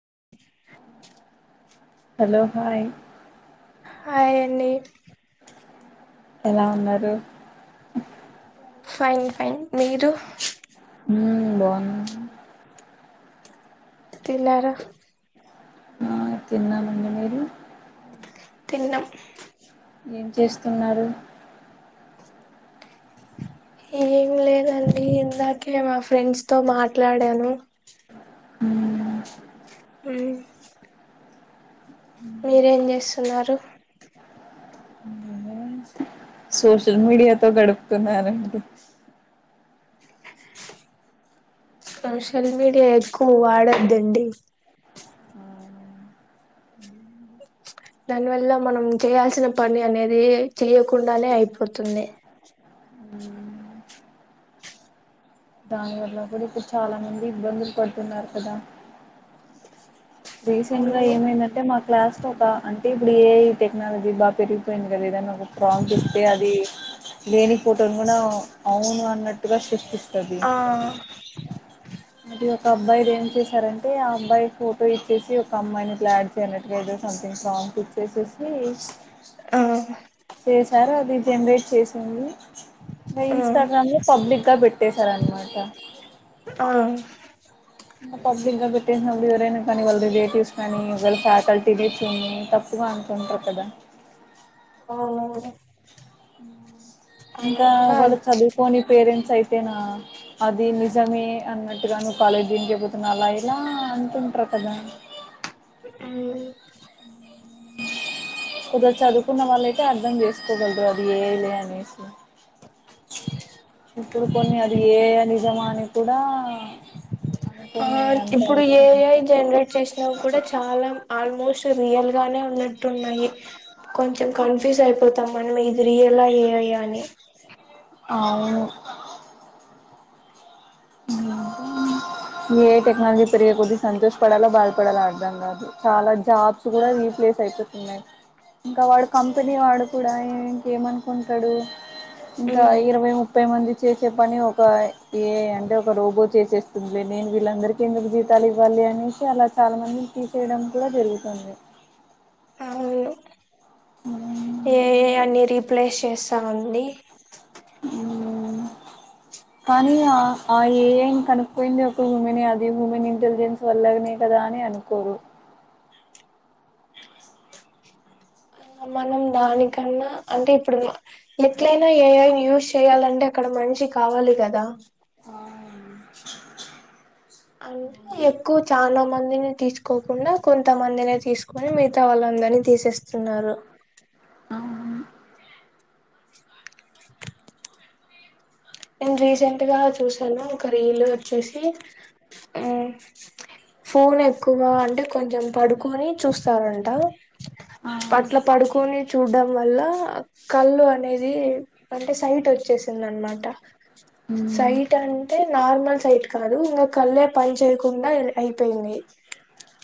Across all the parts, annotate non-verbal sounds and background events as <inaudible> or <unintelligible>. <inaudible> Hello hi hi అండి ఎలా ఉన్నారు <inaudible> ఫైన్ ఫైన్ మీరు ఉమ్ బాగున్నాను తిన్నారా ఆ తిన్నానండి మీరు తిన్నం ఏం చేస్తున్నారు ఏం లేదండి ఇందాకే మా ఫ్రెండ్స్ తో మాట్లాడాను హ ఓ మీరేం చేస్తున్నారు సోషల్ మీడియాతో గడుపుతున్నారండి సోషల్ మీడియా ఎక్కువ వాడొద్దండి మ్మ్. దానివల్ల మనం చేయాల్సిన పని అనేది చేయ్యకుండానే అయిపోతుంది దాని వల్ల కూడా ఇప్పుడు చాలా మంది ఇబ్బందులు పడుతున్నారు కదా రీసెంట్ గా ఏమైందంటే మాకు క్లాస్ లో ఒక అంటే ఇప్పుడు ఏ ఈ టెక్నాలజీ బాగా పెరిగిపోయింది కదా ఏదనా ఒక ప్రాప్ ఇస్తే అది లేని ఫోటోని కూడా అవును అన్నట్టుగా సృష్టిస్ ఆ మరి ఒక అబ్బాయిలు ఏం చేశారంటే ఆ అబ్బాయి ఫ ఫోటో ఇచ్చేసి ఒక అమ్మాయిని ప లాడ్ చేయనట్టుగా ఏదో సథింగ్ సాంగ్స్ ఇచ్చేసేసి ఆ చేశారు అది జనరేట్ చేసింది ఆ ఇన్స్టాగ్రామ్లో పబ్లిక్ గా పెట్టసార అనమాట ఆవు పబ్లిక్ గా పెట్టేసిన వాళ్ళు ఎవరైనా కానీ వాళ్ళ రిలేటివ్స్ కానీ వాళ్ళ ఫ్యాకల్టీడస్ని తప్పుగా అంటుంటారు కదా అవునండి ఇంకా అదంతా వాళ చదువుకోని పేరెంట్స్ అయితేనా అది నిజమే అన్నట్టుగా నువ్వు కాలేజీ దం చెబతున్నా అలా ఇలా అంటుంటారు కదా మ్, కుద చదువుకున్న వాళ్ళయితే అర్థం చేసుకోగలరు అది ఏయలే అనేసి ఇప్పుడు కొన్ని అది ఏ నిజమా అని కూడా ఆ అనుకోని అంత ఇప్పుడు అవుతుంది ఏఐ జనరేట్ చేసినా కూడా చాలా ఆల్మోస్ట్ రియల్ గానే ఉన్నట్టున్నాయి కొంచెం కన్ఫ్యూజ్ అయిపోతాం మనం ఇది రియల్ ఆ ఏఐ ఆ అని ఔను ఏఐ టెక్నాలజీ పెరిగే కొద్దీ సంతోషపడాలో బాధపడాలో అర్థం కాదు చాలా జాబ్స్ కూడా రీప్లేస్ అయిపోతున్నాయి ఇంకా వాడు కంపెనీ వాడు కూడా ఇంకేమనుకుంటాడు ఇంకా ఇరవై ముప్పై మంది చేసే పని ఒక ఏఐ అంటే ఒక రోబో చేసేస్తుంది నేను వీళ్ళందరికీ ఎందుకు జీతాలు ఇవ్వాలి అనేసి అలా చాలా మంది తీసేయడం కూడా జరుగుతుంది అవును ఉమ్ ఏఐ అన్ని రీ రీప్లేస్ చేస్తాంది కానీ ఆ ఆ ఏఐ ఏం కనుక్కోయింది ఒక హుమెనే అది హుమెన్ ఇంటెలిజెన్స్ వల్లనే కదా అని అనుకోరు ఏ <inaudible> మనం దానికన్నా అంటే ఇప్పుడు ఎట్లైనా ఏఐ ని యూజ్ చేయాలంటే ఇక్కడ మంచి కావాలి కదా ఆ అంటే ఎక్కువ చాలా మందిని తీసుకోకుండా కొంతమందినే తీసుకొని మిగతా వాళ్ళందరినీ తీసేస్తున్నారు ఔను నేను రీసెంట్ గా చూసాను ఒక రీలు వచ్చేసి ఆ ఫోన్ ఎక్కువ అంటే కొంచెం పడుకొని చూస్తారంట అవును అట్లా పడుకొని చూడడం వల్ల కళ్ళు అనేది అంటే సైట్ వచ్చేసింది అనమాట మ్మ్ సైట్ అంటే నా నార్మల్ సైట్ కాదు ఇంకా కళ్ళే పని చేయకుండా అయిపోయింది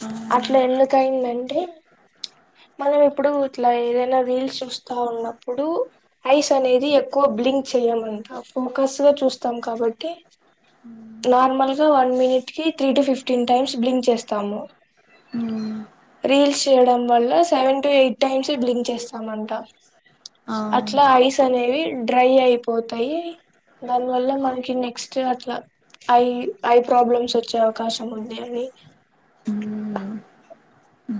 అవును అట్లా ఎందుకయిందంటే మనం ఇప్పుడు ఇట్లా ఏదైనా రీల్స్ చూస్తా ఉన్నప్పుడు ఐస్ అనేది ఎక్కువ బ్లింక్ చేయమంటాం ఫోకస్ గా చూస్తాం కాబట్టి నార్మల్ గా వన్ మినిట్ కి three to fifteen times blink చేస్తాము మ్మ్ రీల్స్ చేయడం వల్ల seven to eight times blink చేస్తామంట అవును అట్లా ఐస్ అనేవి డ్రై అయిపో పోతాయి దాని వల్ల మనకి నెక్స్ట్ అట్లా ఐ ఐ ప్రాబ్లమ్స్ వచ్చే అవకాశం ఉంది అని ఉమ్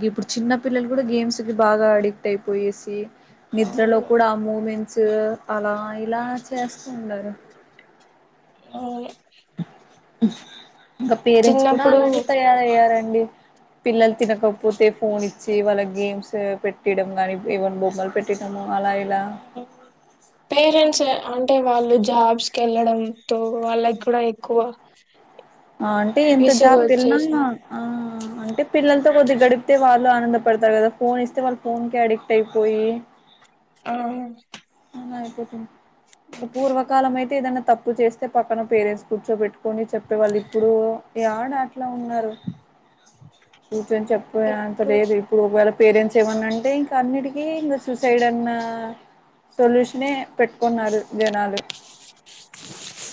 గిప్పుడు చిన్న పిల్లలు కూడా గేమ్స్ కి బాగా అడిక్ట్ అయిపోయేసి నిద్రలో అవును కూడా ఆ మూమెంట్ అలా ఇలా చేస్తూ ఉండారు అ <inaudible> <unintelligible> హుహు ఇంకా పేరెంట్స్ కూడా అలానే తయారయ్యారు పిల్లలు తినకపోతే ఫోన్ ఇచ్చి వాళ్ళ గేమ్స్ పెట్టీడం గానీ ఏవన్న బొమ్మలు పెట్టిడమో మళ్ళా ఇలా పేరెంట్స్ అంటే వాళ్ళు జాబ్ తీసుకెళ్లడంతో వాళ్ళకి కూడా ఎక్కువ ఆ అంటే ఎంత విసుగు జాబ్ కి వెళ్లినా వచ్చేసింది ఆ అంటే పిల్లలతో కొద్ది గడిపితే వాళ్ళు ఆనంద పడతారు కదా ఫోన్ ఇస్తే వాళ్ళు ఫోన్కే అడిక్ట్ అయిపోయి ఆ అయిపోతుంది పూర్వకాలం అయితే ఏదన్నా తప్పు చేస్తే పక్కన పేరెంట్స్ కూర్చో పెట్టుకని చెప్పేవాళ్ళు ఇప్పుడు ఈ ఆడ అట్లా ఉన్నారు చెప్ప అంత ఇప్పుడు లేదు ఇప్పుడు ఒకవేళ పేరెంట్స్ ఏమన్నాంటే ఇంకా అన్నిటికీ ఇంకా సూసైడ్ అన్నా సొల్యూషనే పెట్టుకున్నారు జనాలు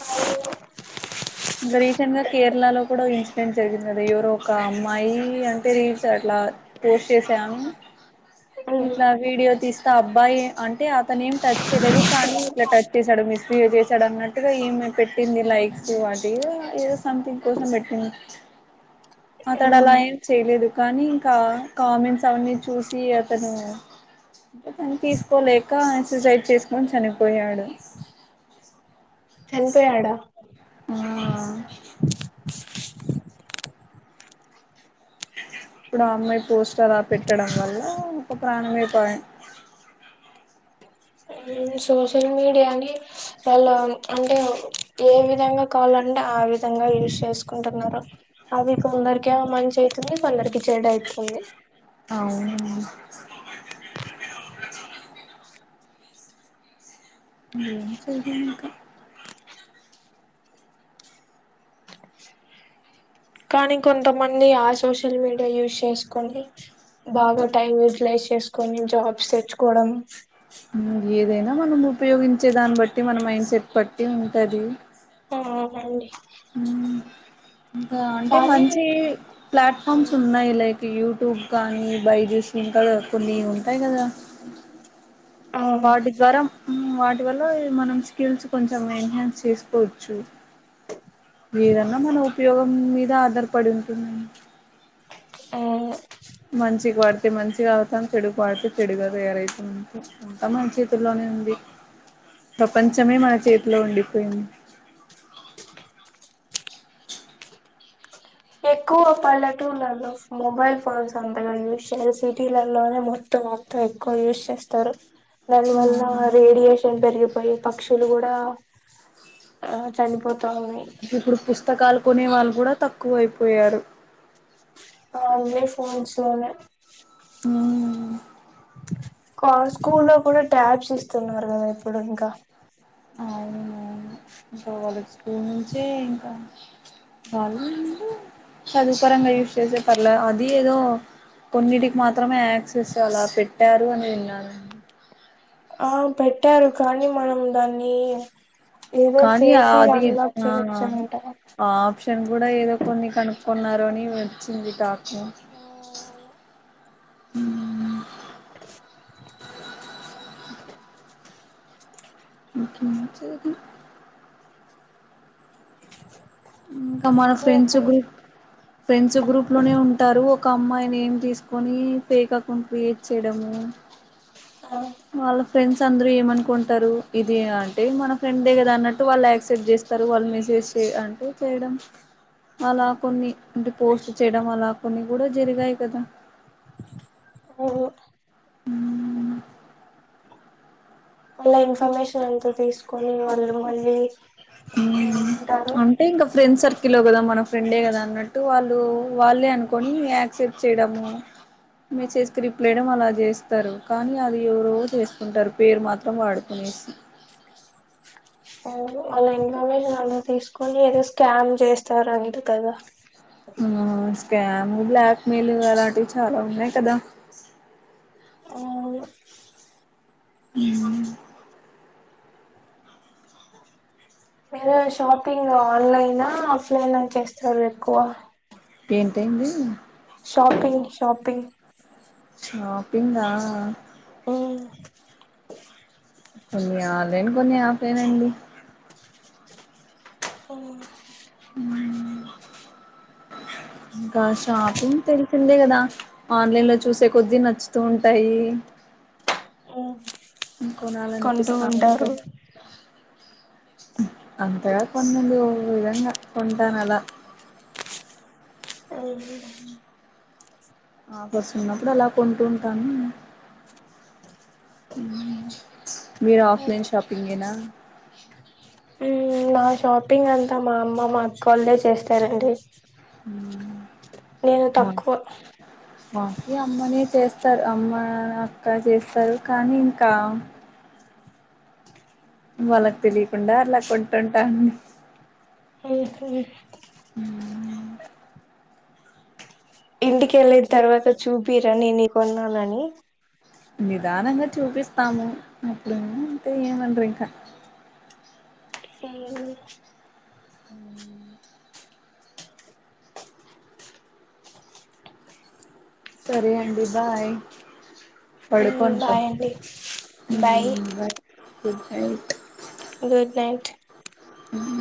<inaudible> ఇంకా రీసెంట్ గా కేరళ లో కూడా ఇన్సిడెంట్ జరిగింది కదా ఎవరు ఒక అమ్మాయి అ రీల్స్ అట్లా పోస్ట్ చేసాను ఇట్లా వీడియో తీస్తా అబ్బాయి అంటే అతను ఏం టచ్ చేయలేదు కానీ ఇట్లా టచ్ చేశాడు మిస్బిహేవ్ చేశాడు అన్నట్టు అ ఏమ పెట్టింది లైక్స్ ఏదో ఏదో సంథింగ్ కోసం పెట్టింది అతడ అలా ఏం చేయలేదు కానీ ఇంకా కామెంట్స్ అవన్నీ చూసి అతనును తీసుకోలేక సూసైడ్ చేసుకొని చనిపోయాడు చనిపోయాడా ఆ ఇప్పుడు ఆ అమ్మాయి పోస్టర్లా పెట్టడం వల్ల ఒక ప్రాణమైపోయాం సోషల్ మీడియాని వాళ్ళు అంటే ఏ విధంగా కావాలంటే ఆ విధంగా యూస్ చేసుకుంటున్నారు అది ఇ కొందరికి మంచి అయితుంది కొందరికి చెడు అవుతుంది అవునా ఏం చేయలేం ఇంకా కానీ కొంతమంది ఆ సోషల్ మీడియా యూస్ చేసుకొని బాగా టైం యూటిలైజ్ చేసుకొని జాబ్స్ తెచ్చుకోవడం ఊమ్ ఏదైనా మనం ఉపయోగించే దాన్ని బట్టి మన మైండ్ సెట్ బట్టి ఉంటది ఆ అవునండి ఊమ్ ఇంకా అంటే కానీ మంచి ప్లాట్ఫామ్స్ ఉన్నాయి లైక్ యూట్యూబ్ కానీ బైజెస్ ఇంకా కొన్ని ఉంటాయి కదా ఆ వాటి గరం వా ఇటివల్ల మనం స్కిల్స్ కొంచెం మెంటానేన్స్ చేసుకోవచ్చు ఏదన్నా మన ఉపయోగం మీద ఆధారపడి ఉంటుందండి ఆ మంచిగాడు తే మంచిగా అవుతాం చెడు పాడితే చెడుగా తయారైత్ ఊహ్మ్ అ తమ చేతుల్లోనే ఉంది ప్రపంచమే మన చేతిలో ఉండిపోయింది ఎక్కువ పల్లెటూలలో మొబైల్ ఫోన్స్ అంతగా యూజ్ చేయారు సిటీలలోనే మొత్తం మొత్తం ఎక్కువ యూజ్ చేస్తారు దాని వల్ల రేడియేషన్ పెరిగిపోయి పక్షులు గూడా ఆ చనిపోత్ తన్నాయ్ ఇప్పుడు పుస్తకాలు కొనే వాళ్ళు కూడా తక్కువైపోయారు. ఆ అవే ఫోన్స్లోనే కాద్ స్కూల్లో గుడా ట్యాబ్స్ ఇస్తున్నారు కదా ఇప్పుడు ఇంకా అవునవును ఇంకా వాళ్ళ స్కూల్ నుంచే ఇంకా వాళ్ళు చదుపరంగా యూస్ చేసే పర్ల అది ఏదో కొన్నిటికి మాత్రమే యాక్సెస్ అలా పెట్టారు అని విన్నాను ఆ పెట్టారు కానీ మనం దాన్ని ఏదో కానీ చేసి అది అలా ఆ చేయొచ్చంట ఆ ఆప్షన్ గుడా ఏదో కొన్ని కనుక్కున్నారని వచ్చింది టా హ్ హ్మ్ నాకేం నచ్చదది మ్ త మన మీకు ఫ్రెండ్స్ గ్రూప్ ఫ్రెండ్స్ గ్రూప్లోనే ఉంటారు ఒక అమ్మాయి నేమ్ తీస్కొని ఫేక్ అకౌంట్ క్రియేట్ చేడము వాళ్ళ ఫ్రెండ్స్ అందరూ ఏమనుకుంటారు. ఇది అంటే మన ఫ్రెండ్ దే కదా అన్నట్టు వాళ్ యాక్సెప్ట్ చేస్తారు. వాళ్ళు మెసేజ్ చే అంటే చేయడం అలా కొన్ని అంటే పోస్ట్ చేయడం అలా కొన్ని గుడా జరిగాయి కదా అలా ఇన్ఫర్మేషన్ అంతా తీస్కొని వాళ్ళు మళ్ళీ హ్మ్ ఏమంటారు అంటే ఇంకా ఫ్రెండ్ సర్ కిలో కదా మన ఫ్రెండే కదా అన్నట్టు వాళ్ళు వాళ్ళే అనుకొని యాక్సెప్ట్ చేడము. మెసేజ్కి రిప్లైయిడం అలా చేస్తారు కానీ అది ఎవరో చేస్కుంటారు పేరు మాత్రం వాడుకునేసి వాళ్ళ ఇన్ఫర్మేషన్ అలా తీస్కొని ఏదో క్యామ్ చేస్తారని కదా మ్ స్కామ్ బ్లాక్ మెయిల్ అలాంటివి చాలా ఉన్నాయి కదా అవు యా మీరు షాపింగ్ ఆన్లైనా ఆఫ్లైనా చేస్తారు ఎక్కువ ఏంటైంది షాపింగ్ షాపింగ్ షాపింగా ఆ కొన్ని ఆన్లైన్ కొన్ని ఆఫ్లైన్ అండి హ ఇంకా షాపింగ్ తెలిసిందే కదా ఆన్లైన్లో చూసే కొద్ది నచ్చుతూ ఉంటాయి. కొంటూ కొనాలన్పిస్తా ఉంటారు ఉంటద్ అంతగా కొన్నండి ఓ విధంగా కొంటానలా ఆఫర్స్ ఉన్నప్పుడు అలా కొంటుంటాను. మీర్ ఆఫ్లైన్ షాపింగేనా నా షాపింగ్ అంతా మా అమ్మ, మా అక్క వాళ్ళే చేస్తారండి నేను తక్కువ ఇగ అమ్మనే చేస్తార్ అమ్మా, అక్క చేస్తారు కానీ ఇంకా వాళ్ళక్ తెలీకుండా అట్ల కొంటుంటాను. ఆ సరే ఇంటికెళ్ళిన్ తర్వాత చూపిరా నేన్ ఈ కొన్నానని నిదానంగా చూపిస్తాము అప్పుడు అంటే ఏమండ్రింకా సరే అండి బాయ్ పడుకుంటాం బాయ్ అండి bye bye good night good night ఉమ్